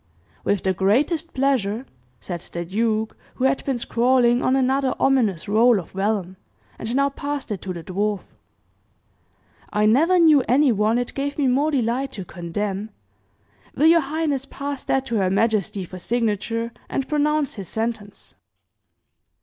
"With the greatest pleasure!" said the duke, who had been scrawling on another ominous roll of vellum, and now passed it to the dwarf. "I never knew anyone it gave me more delight to condemn. Will your highness pass that to her majesty for signature, and pronounce his sentence."